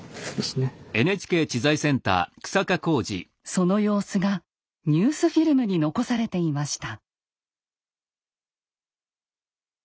その様子がニュースフィルムに残されていました。